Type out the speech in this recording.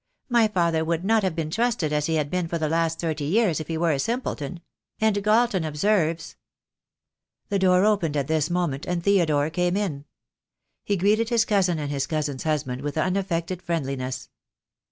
My father would not have been trusted as he has been for the last thirty years if he were a simpleton; and Galton observes " The door opened at his moment and Theodore came in. He greeted his cousin and his cousin's husband with unaffected friendliness.